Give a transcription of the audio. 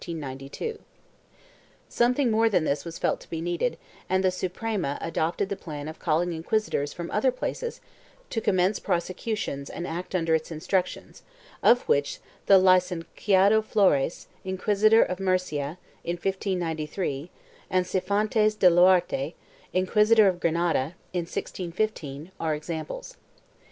1 Something more than this was felt to be needed and the Suprema adopted the plan of calling inquisitors from other places to commence prosecutions and act under its instructions, of which the Licenciado Flores, Inquisitor of Murcia, in 1593, and Cifontes de Loarte, Inquisitor of Granada, in 1615, are exam ples.